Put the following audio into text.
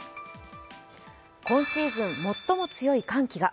今シーズン最も強い寒気が。